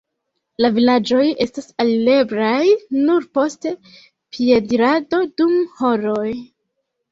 La vilaĝoj estas alireblaj nur post piedirado dum horoj.